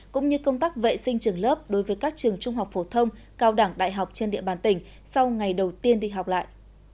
cũng như công tác vệ sinh trường lớp đối với các trường trung học phổ thông cao đẳng đại học trên địa bàn tỉnh sau ngày đầu tiên đi học lại